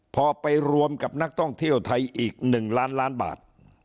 พอไปรวมกับนักท่องเที่ยวไทยอีก๑ล้านล้านบาท